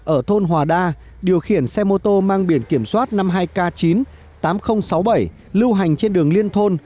ở thôn hòa đa điều khiển xe mô tô mang biển kiểm soát năm mươi hai k chín tám nghìn sáu mươi bảy lưu hành trên đường liên thôn